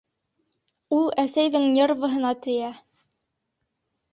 Ул әсәйҙең нервыһына тейә!